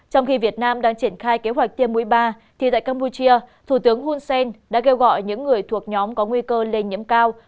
trong khi việt nam đang triển khai kế hoạch tiêm mũi ba thì tại campuchia thủ tướng hun sen đã kêu gọi những người thuộc nhóm có nguy cơ lây nhiễm cao